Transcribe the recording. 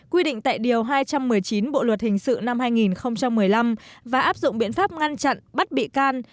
quy định tại điều hai trăm một mươi chín bộ luật hình sự năm hai nghìn một mươi năm và áp dụng biện pháp ngăn chặn bắt bị can